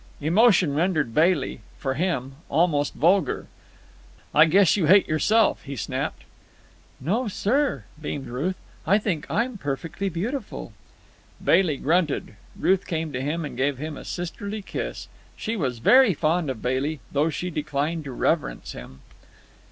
Emotion rendered Bailey—for him—almost vulgar. "I guess you hate yourself!" he snapped. "No sir" beamed Ruth. "I think I'm perfectly beautiful." Bailey grunted. Ruth came to him and gave him a sisterly kiss. She was very fond of Bailey, though she declined to reverence him.